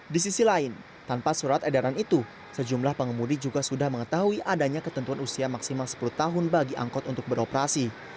di sisi lain tanpa surat edaran itu sejumlah pengemudi juga sudah mengetahui adanya ketentuan usia maksimal sepuluh tahun bagi angkot untuk beroperasi